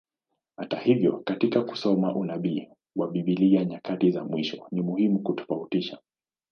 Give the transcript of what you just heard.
Hata hivyo, katika kusoma unabii wa Biblia nyakati za mwisho, ni muhimu kutofautisha.